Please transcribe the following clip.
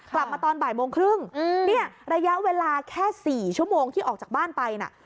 กลับมาตอนบ่ายโมงครึ่งเนี่ยระยะเวลาแค่๔ชั่วโมงที่ออกจากบ้านไปน่ะ